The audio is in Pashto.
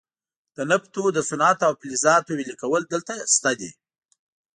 د نفتو د صنعت او فلزاتو ویلې کول دلته شته دي.